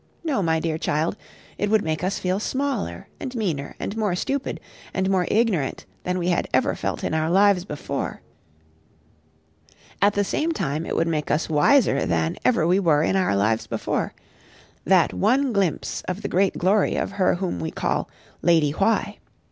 No, my dear child: it would make us feel smaller, and meaner, and more stupid and more ignorant than we had ever felt in our lives before; at the same time it would make us wiser than ever we were in our lives before that one glimpse of the great glory of her whom we call Lady Why.